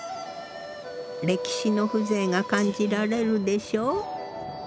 歴史の風情が感じられるでしょう？